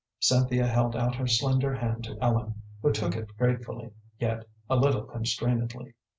Cynthia held out her slender hand to Ellen, who took it gratefully, yet a little constrainedly.